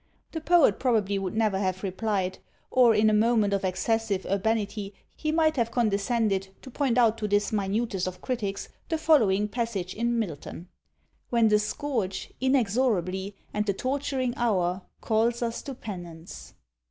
The poet probably would never have replied, or, in a moment of excessive urbanity, he might have condescended to point out to this minutest of critics the following passage in Milton: When the SCOURGE Inexorably, and the TORTURING HOUR Calls us to penance.